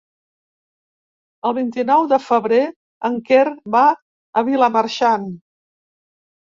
El vint-i-nou de febrer en Quer va a Vilamarxant.